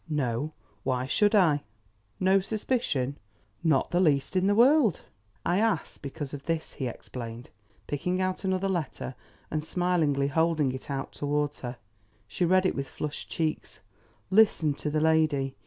"No; why should I?" "No suspicion?" "Not the least in the world." "I ask because of this," he explained, picking out another letter and smilingly holding it out towards her. She read it with flushed cheeks. Listen to the lady.